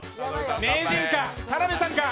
名人か田辺さんか？